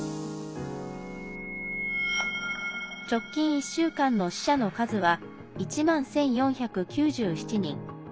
直近１週間の死者の数は１万１４９７人。